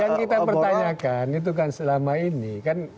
yang kita pertanyakan itu kan selama ini kan